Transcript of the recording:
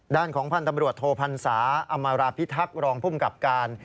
ด้านของพันธ์ตำรวจโทพันศาอำมาราพิทักษ์รองภูมิกับการ